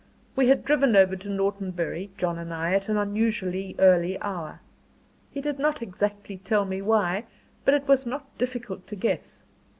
We had driven over to Norton Bury, John and I, at an unusually early hour. He did not exactly tell me why, but it was not difficult to guess.